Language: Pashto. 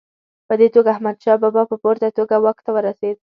په دې توګه احمدشاه بابا په پوره توګه واک ته ورسېد.